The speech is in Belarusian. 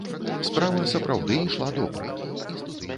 Справа сапраўды ішла добра.